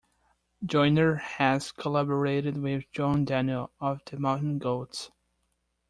Joyner has collaborated with John Darnielle, of The Mountain Goats.